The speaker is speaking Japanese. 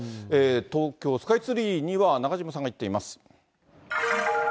東京スカイツリーには中島さんが行っています。